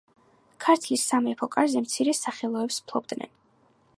ქართლის სამეფო კარზე მცირე სახელოებს ფლობდნენ.